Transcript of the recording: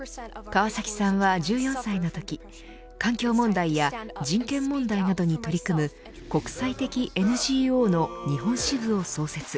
川崎さんは、１４歳のとき環境問題や人権問題などに取り組む国際的ＮＧＯの日本支部を創設。